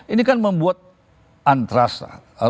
ini kan membuat antrasa